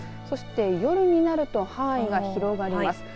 そして夜になると範囲が広がります。